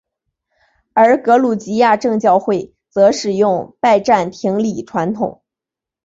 而格鲁吉亚正教会则使用拜占庭礼传统。